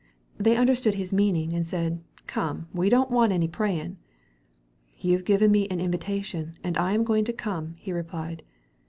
They understood his meaning, and said, "Come, we don't want any praying." "You've given me an invitation, and I am going to come," he replied.